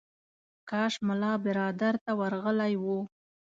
کاش ملا برادر ته ورغلی و.